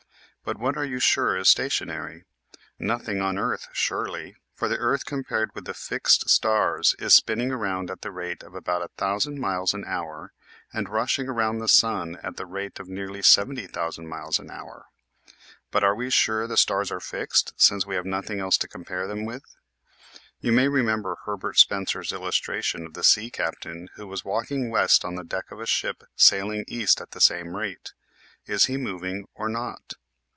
But what are you sure is stationary? Nothing on earth surely, for the earth compared with the '' fixed " stars is spinning around at the rate of about a thousand miles an hour and rushing around the sun at the rate of nearly 70,000 miles an hour. But are we sure the stars are fixed since we have nothing else to compare them with? You may remember Herbert Spencer's illustration of the sea captain who was walking west on the deck of a ship sailing east at the same rate. Is he moving or not?